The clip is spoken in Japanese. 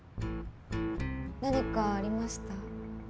何かありました？